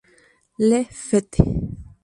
Le Fête